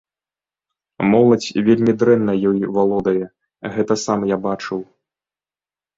Моладзь вельмі дрэнна ёй валодае, гэта сам я бачыў.